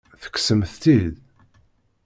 Tekksemt-tt-id?